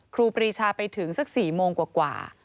ครูปรีชาไปถึงสัก๔โมงกว่า